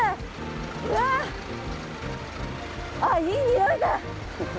あっいい匂いだ。